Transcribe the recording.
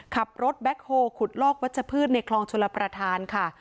ขับรถแบ็คโฮลขุดลอกวัชพืชในคลองชลประธานค่ะ